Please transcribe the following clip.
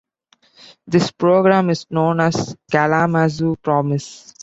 This program is known as the Kalamazoo Promise.